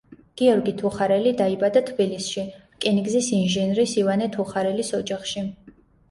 გიორგი თუხარელი დაიბადა თბილისში, რკინიგზის ინჟინრის ივანე თუხარელის ოჯახში.